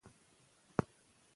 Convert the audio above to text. ډیجیټل نړۍ پښتو ته اړتیا لري.